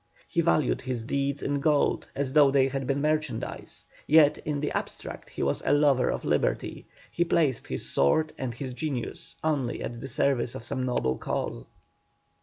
He valued his deeds in gold as though they had been merchandize. Yet, in the abstract he was a lover of liberty; he placed his sword and his genius only at the service of some noble cause.